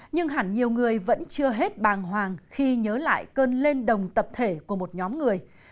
nhưng hẳn nhiều người vẫn chưa hết bàng hoàng khi nhớ lại cơn lên đồng tập thể của một nhóm người